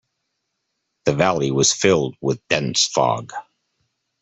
The valley was filled with dense fog.